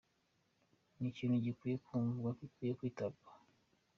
ni ikintu gikwiye kumvwa, bikwiye kwitabwaho.